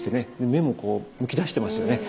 目もむき出してますよね。